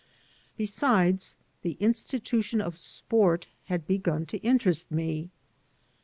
Besides, the institution of sport had begun to interest me.